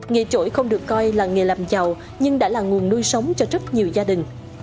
nghề chổi không được coi là nghề làm giàu nhưng đã là nguồn nuôi sống cho rất nhiều gia đình